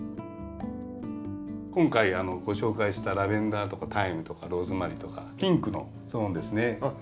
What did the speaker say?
今回ご紹介したラベンダーとかタイムとかローズマリーとかピンクのゾーンですね。